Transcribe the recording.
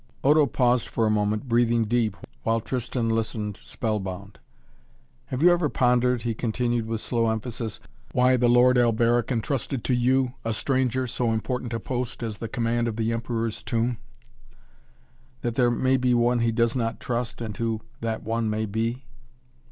Odo paused for a moment, breathing deep, while Tristan listened spellbound. "Have you ever pondered," he continued with slow emphasis, "why the Lord Alberic entrusted to you, a stranger, so important a post as the command of the Emperor's Tomb? That there may be one he does not trust and who that one may be?"